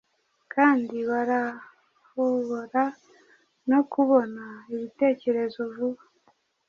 kandi barahobora no kubona ibitekerezo vuba